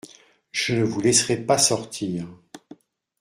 Je ne vous laisserai pas sortir.